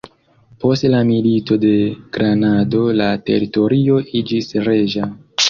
Post la Milito de Granado la teritorio iĝis reĝa.